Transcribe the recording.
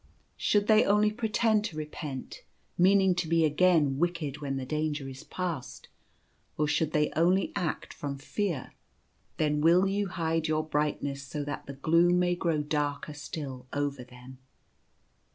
Shoiild they only pretend to repent, meaning to be again wicked when the danger is past ; or should they only act from fear, then will you hide your brightness so that the gloom may grow darker still over them.